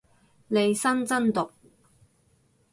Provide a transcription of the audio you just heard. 利申真毒